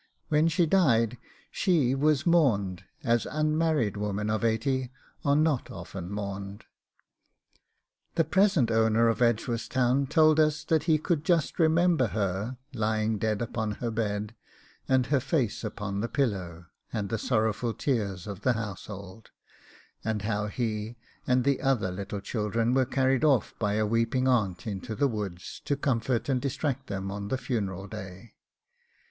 When she died she was mourned as unmarried women of eighty are not often mourned. Now published and edited by Mr. Hare (Nov. 1894). The present owner of Edgeworthstown told us that he could just remember her, lying dead upon her bed, and her face upon the pillow, and the sorrowful tears of the household; and how he and the other little children were carried off by a weeping aunt into the woods, to comfort and distract them on the funeral day.